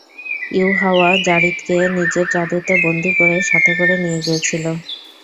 ইউহাওয়া যারীদকে নিজের জাদুতে বন্দি করে সাথে করে নিয়ে গিয়েছিল।